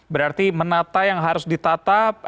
berarti menata yang harus ditata